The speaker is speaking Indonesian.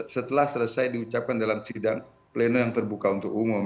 setelah selesai diucapkan dalam sidang pleno yang terbuka untuk umum